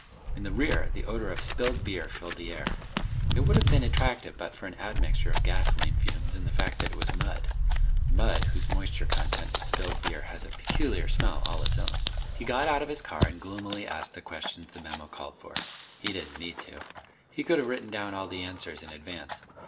In the rear, the odor of spilled beer filled the air. It would have been attractive but for an admixture of gasoline fumes and the fact that it was mud. Mud whose moisture content is spilled beer has a peculiar smell all its own. He got out of his car and gloomily asked the questions the memo called for. He didn't need to. He could have written down all the answers in advance.